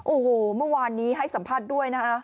โอ้โหเมื่อวานนี้ให้สัมภาษณ์ด้วยนะคะ